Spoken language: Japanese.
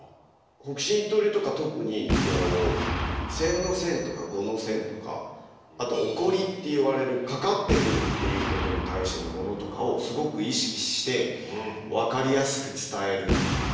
北辰一刀流とか特にこうっていわれるかかってくるっていうことに対してのものとかをすごく意識して分かりやすく伝えるっていうか。